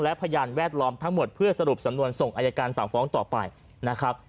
และพยานแวดล้อมทั้งหมดเพื่อสรุปสำนวนส่งอายการสั่งฟ้องต่อไปนะครับ